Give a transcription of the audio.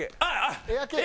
エアケイ！